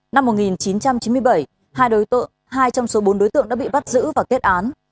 năm một nghìn chín trăm chín mươi bảy hai trong số bốn đối tượng đã bị bắt giữ và kết án